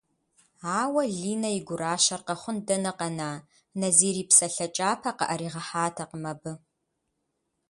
Ауэ Линэ и гуращэр къэхъун дэнэ къэна, Назир и псалъэ кӏапэ къыӏэригъэхьатэкъым абы.